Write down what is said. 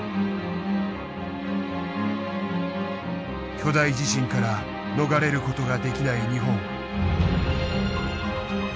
巨大地震から逃れる事ができない日本。